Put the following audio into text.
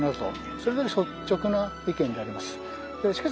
それが率直な意見であります。